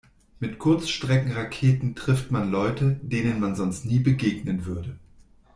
Mit Kurzstreckenraketen trifft man Leute, denen man sonst nie begegnen würde.